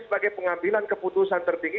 sebagai pengambilan keputusan tertinggi